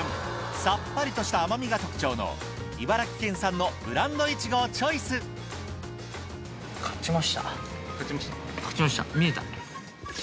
さっぱりとした甘みが特徴の茨城県産のブランドいちごをチョイスこれで。